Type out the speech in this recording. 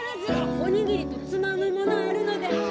お握りとつまむものあるので。